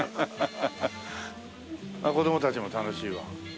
子供たちも楽しいわ。